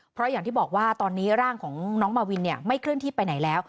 เพราะอย่างที่บอกว่าตอนนี้ร่างของน้องมาวินไม่เคลื่อนที่ไปไหนแล้ว